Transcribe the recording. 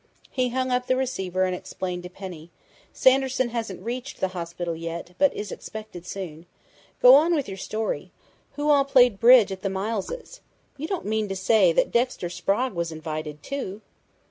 He hung up the receiver and explained to Penny: "Sanderson hasn't reached the hospital yet, but is expected soon.... Go on with your story.... Who all played bridge at the Mileses'? You don't mean to say Dexter Sprague was invited, too!"